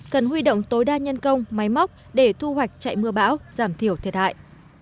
cần huy động tối đa nhân công máy móc để thu hoạch chạy mưa bão giảm thiểu thiệt hại